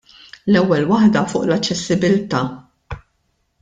L-ewwel waħda fuq l-aċċessibbilità.